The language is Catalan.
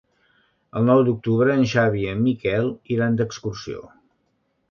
El nou d'octubre en Xavi i en Miquel iran d'excursió.